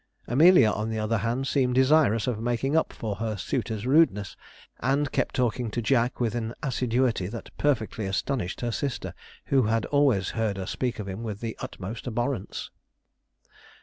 Amelia, on the other hand, seemed desirous of making up for her suitor's rudeness, and kept talking to Jack with an assiduity that perfectly astonished her sister, who had always heard her speak of him with the utmost abhorrence.